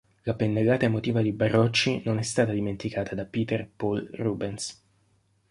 La pennellata emotiva di Barocci non è stata dimenticata da Pieter Paul Rubens.